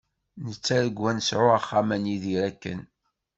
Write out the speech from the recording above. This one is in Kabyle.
Nettargu ad nesɛu axxam ad nidir akken.